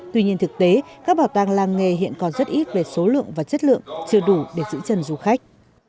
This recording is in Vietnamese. tuy nhiên thực tế các bảo tàng làng nghề hiện còn rất ít về số lượng và chất lượng chưa đủ để giữ chân du khách